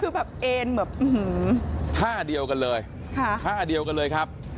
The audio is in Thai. คือแบบเอ็นแบบท่าเดียวกันเลยค่ะท่าเดียวกันเลยครับ